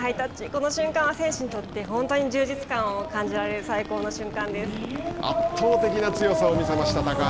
この瞬間は選手にとって本当に充実感を感じられる圧倒的な強さを見せました高橋。